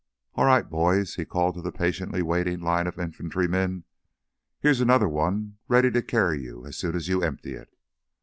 "All right, boys," he called to the patiently waiting line of infantrymen, "here's another one ready to carry you as soon as you empty it."